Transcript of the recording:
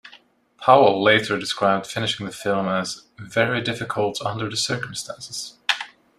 Powell later described finishing the film as "very difficult under the circumstances".